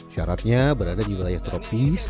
syaratnya berada di wilayah tropis